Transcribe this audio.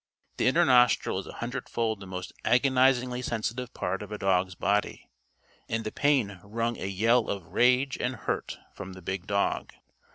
The inner nostril is a hundred fold the most agonizingly sensitive part of a dog's body, and the pain wrung a yell of rage and hurt from the big dog.